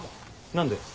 何で？